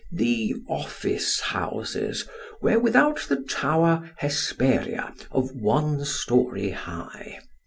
The office houses were without the tower Hesperia, of one storey high.